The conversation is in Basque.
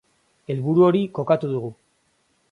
Helburu hori kokatu dugu.